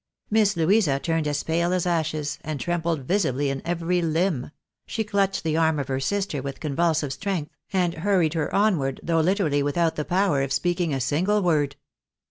Miss Louisa turned as pale as ashes, and trembled visibly in every limb ; she clutched the arm of her sister with convulsive strength, and hurried her onward, though literally without the power of speaking a single word.